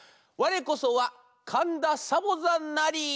「われこそはかんだサボざんなり」。